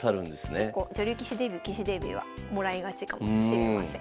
結構女流棋士デビュー棋士デビューはもらいがちかもしれません。